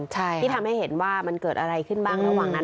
ที่ทำให้เห็นว่ามันเกิดอะไรขึ้นบ้างระหว่างนั้น